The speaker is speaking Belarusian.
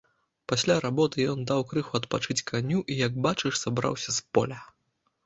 Пасля работы ён даў крыху адпачыць каню і як бачыш сабраўся з поля.